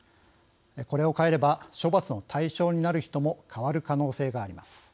これを変えれば処罰の対象になる人も変わる可能性があります。